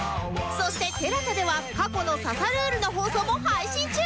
そして ＴＥＬＡＳＡ では過去の『刺さルール！』の放送も配信中！